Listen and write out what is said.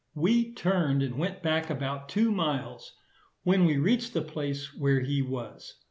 We turned and went back about two miles, when we reached the place where he was.